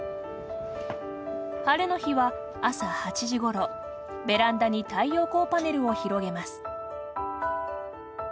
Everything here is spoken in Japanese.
晴れの日は朝８時ごろベランダに太陽光パネルを広げます。